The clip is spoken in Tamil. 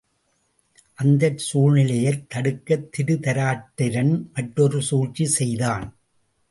அந்தச் சூழ்நிலையைத் தடுக்கத் திருதராட்டிரன் மற்றொரு சூழ்ச்சி செய்தான்.